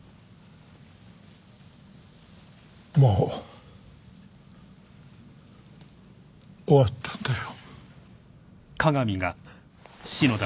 もう終わったんだよ。